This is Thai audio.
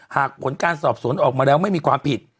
ผลการสอบสวนออกมาแล้วไม่มีความผิด